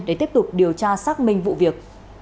để tiếp tục điều tra xác minh vụ việc